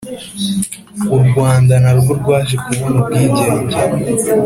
U rwanda narwo rwaje kubona ubwigenge